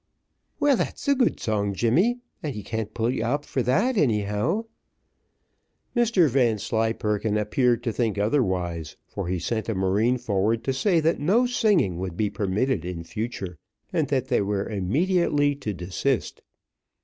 "Well, that's a good song, Jemmy, and he can't pull you up for that, anyhow." Mr Vanslyperken appeared to think otherwise, for he sent a marine forward to say, that no singing would be permitted in future, and that they were immediately to desist.